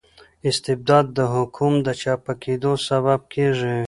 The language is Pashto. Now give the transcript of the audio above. استبداد د حکوم د چپه کیدو سبب کيږي.